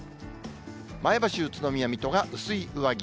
前橋、宇都宮、水戸が薄い上着。